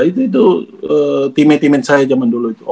terus itu timet timen saya zaman dulu